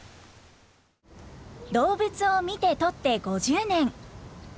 動物を見て撮って５０年。